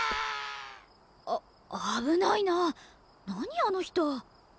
あ危ないな何あの人。